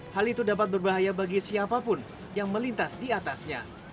hal itu dapat berbahaya bagi siapapun yang melintas di atasnya